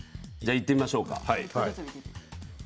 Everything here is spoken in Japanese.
いってみましょうか。